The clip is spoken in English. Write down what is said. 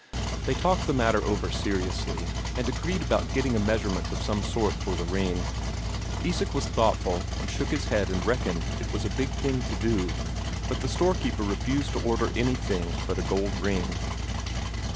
They talked the matter over seriously, and agreed about getting a measurement of some sort for the ring. Isak was thoughtful, and shook his head and reckoned it was a big thing to do, but the storekeeper refused to order anything but a gold ring.